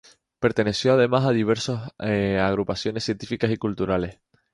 Perteneció además a diversos agrupaciones científicas y culturales.